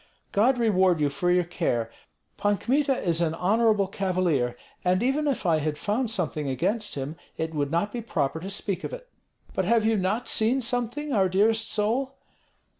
"God reward you for your care. Pan Kmita is an honorable cavalier, and even if I had found something against him it would not be proper to speak of it." "But have you not seen something, our dearest soul?"